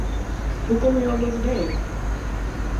Hoe komme jo op dat idee?